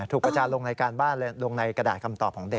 ประจานลงรายการบ้านลงในกระดาษคำตอบของเด็ก